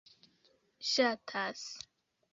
ŝatas